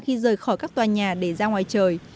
khi rời khỏi các tòa nhà để ra ngoài trời